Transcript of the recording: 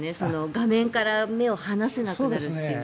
画面から目を離せなくなるという。